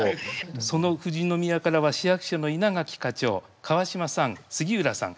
その富士宮からは市役所の稲垣課長川島さん杉浦さん